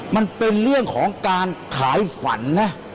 มันเป็นเรื่องของการขายฝันนะ